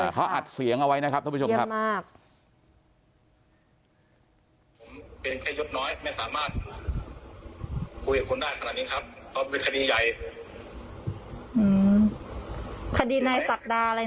เขาอัดเสียงเอาไว้นะครับท่านผู้ชมครับ